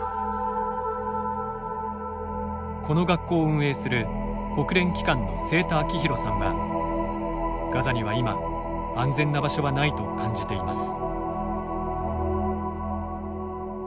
この学校を運営する国連機関の清田明宏さんはガザには今安全な場所はないと感じています。